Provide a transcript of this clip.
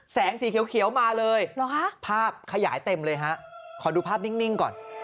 สีเขียวมาเลยภาพขยายเต็มเลยฮะขอดูภาพนิ่งก่อน